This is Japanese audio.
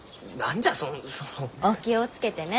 お気を付けてね。